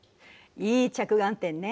いい着眼点ね。